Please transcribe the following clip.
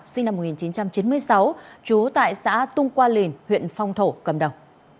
sinh năm một nghìn chín trăm chín mươi sáu trú tại xã tung qua lìn huyện phong thổ cầm đầu